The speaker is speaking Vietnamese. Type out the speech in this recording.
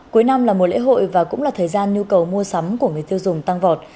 cuối năm là mùa lễ hội và cũng là thời gian nhu cầu mua sắm của người tiêu dùng tăng vọt